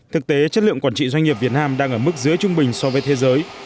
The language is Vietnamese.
thực tế chất lượng quản trị doanh nghiệp việt nam đang ở mức dưới trung bình so với thế giới